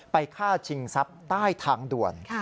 ฆ่าชิงทรัพย์ใต้ทางด่วน